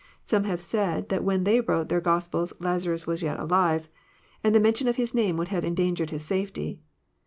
— Some have said that when they wrote their Gospels Lazarus was yet alive, and the mention of his name would have endangered his safety.